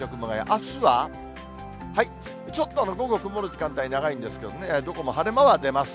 あすはちょっと午後、曇る時間帯長いんですけどね、どこも晴れ間は出ます。